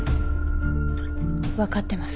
分かってます。